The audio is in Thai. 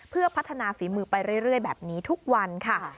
เพื่อพัฒนาฝีมือไปเรื่อยแบบนี้ทุกวันค่ะ